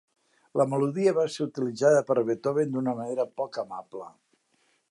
La melodia va ser utilitzada per Beethoven d'una manera poc amable.